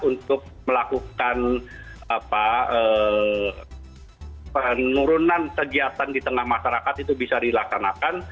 untuk melakukan penurunan kegiatan di tengah masyarakat itu bisa dilaksanakan